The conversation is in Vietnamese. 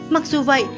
mặc dù vậy